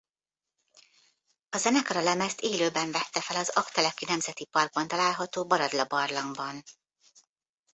A zenekar a lemezt élőben vette fel az Aggteleki Nemzeti Parkban található Baradla barlangban.